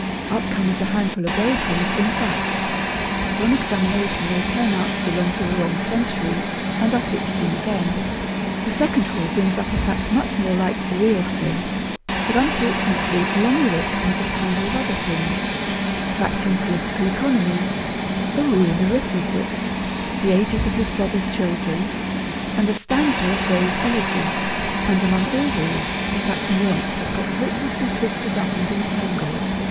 Up comes a handful of very promising facts, but on examination they turn out to belong to the wrong century, and are pitched in again. A second haul brings up a fact much more like the real thing, but, unfortunately, along with it comes a tangle of other things a fact in political economy, a rule in arithmetic, the ages of his brother's children, and a stanza of Gray's 'Elegy,' and among all these, the fact he wants has got hopelessly twisted up and entangled.